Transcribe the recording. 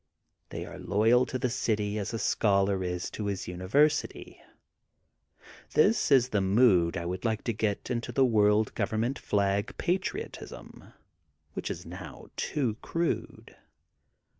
They are loyal to the city as a scholar is to his University. This is the mood I would like to get into World Govemment Flag Patriot ism, which is now too crude.